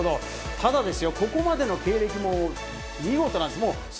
ただですよ、ここまでの経歴も見事なんです。